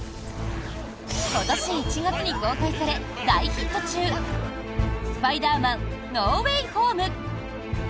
今年１月に公開され、大ヒット中「スパイダーマン：ノー・ウェイ・ホーム」。